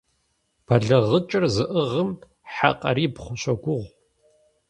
БэлагъыкӀыр зыӀыгъым хьэ къарибгъу щогугъ.